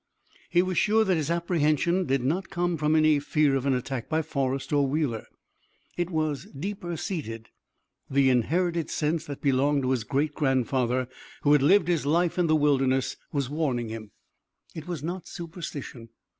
He was sure that his apprehension did not come from any fear of an attack by Forrest or Wheeler. It was deeper seated. The inherited sense that belonged to his great grandfather, who had lived his life in the wilderness, was warning him. It was not superstition.